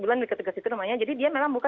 bulan berikut bulan ke situ jadi dia memang buka